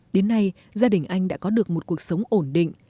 đến nay gia đình anh đã có được một cuộc sống ổn định